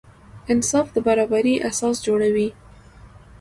انصاف د برابري اساس جوړوي.